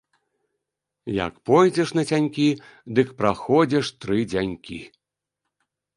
Як пойдзеш нацянькі, дык праходзіш тры дзянькі.